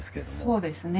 そうですね。